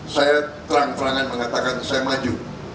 saya terang terangan mengatakan saya maju